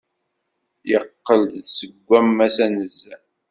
Yeqqel-d seg wammas anezzan.